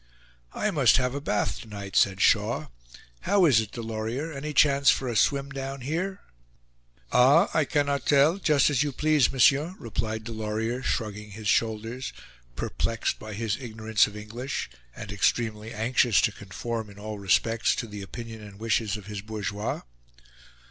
"I must have a bath to night," said Shaw. "How is it, Delorier? Any chance for a swim down here?" "Ah! I cannot tell; just as you please, monsieur," replied Delorier, shrugging his shoulders, perplexed by his ignorance of English, and extremely anxious to conform in all respects to the opinion and wishes of his bourgeois.